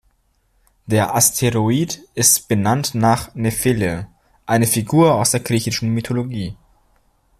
Der Asteroid ist benannt nach Nephele, einer Figur aus der griechischen Mythologie.